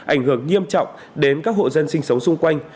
ảnh hưởng nghiêm trọng đến các hộ dân sinh sống xung quanh